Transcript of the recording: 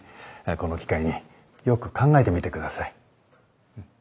この機会によく考えてみてください。